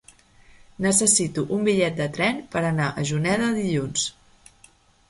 Necessito un bitllet de tren per anar a Juneda dilluns.